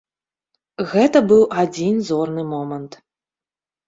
Гэта быў адзін зорны момант.